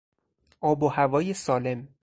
آب و هوای سالم